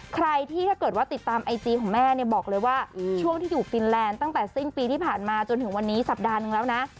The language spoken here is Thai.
ใครที่ถ้าเกิดว่าติดตามไอจีของแม่เนี่ยบอกเลยว่าช่วงที่อยู่ฟินแลนด์ตั้งแต่สิ้นปีที่ผ่านมาจนถึงวันนี้สัปดาห์นึงแล้วนะ